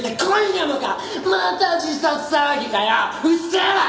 うっせぇわ！